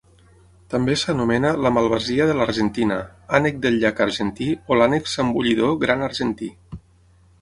També s'anomena la malvasia de l'Argentina, ànec del llac argentí, o l'ànec zambullidor gran argentí.